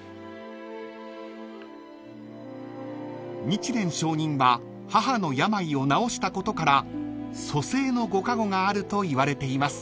［日蓮聖人は母の病を治したことから蘇生のご加護があるといわれています］